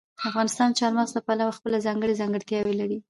افغانستان د چار مغز له پلوه خپله ځانګړې ځانګړتیاوې لري.